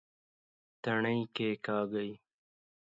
تڼي کېکاږئ